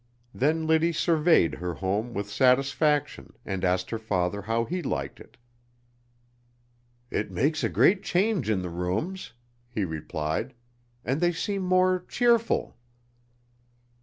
Then Liddy surveyed her home with satisfaction and asked her father how he liked it. "It makes a great change in the rooms," he replied, "and they seem more cheerful."